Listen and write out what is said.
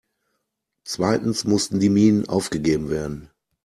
Zweitens mussten die Minen aufgegeben werden.